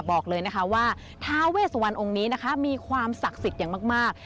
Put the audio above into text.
บอกเลยว่าท้าเวสวรรค์องค์นี้มีความศักดิ์สิทธิ์อย่างมาก